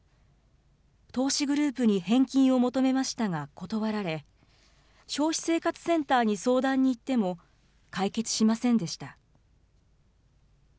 投資グループに返金を求めましたが断られ、消費生活センターに相談に行っても、解決しませんでした。